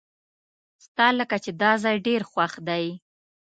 ستالکه چې داځای ډیر خوښ دی .